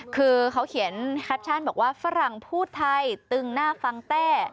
คือเขาเขียนแคปชั่นบอกว่าฝรั่งพูดไทยตึงหน้าฟังเต้